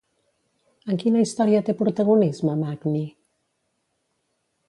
En quina història té protagonisme, Magni?